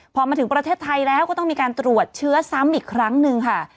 พอมาถึงประเทศไทยแล้วก็ต้องมีการตรวจเชื้อซ้ำอีกครั้งหนึ่งค่ะ